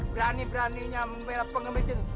berani beraninya memelap penggemis ini